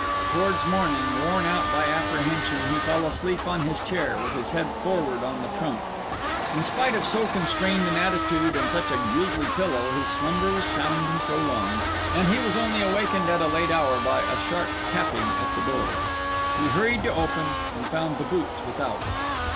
Towards morning, worn out by apprehension, he fell asleep on his chair, with his head forward on the trunk. In spite of so constrained an attitude and such a grisly pillow, his slumber was sound and prolonged, and he was only awakened at a late hour and by a sharp tapping at the door. He hurried to open, and found the boots without.